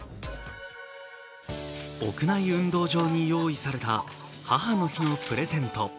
屋内運動場に用意された母の日のプレゼント。